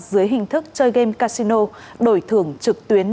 dưới hình thức chơi game casino đổi thưởng trực tuyến